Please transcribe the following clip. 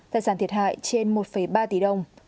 tài sản thiệt hại trên một ba tỷ đồng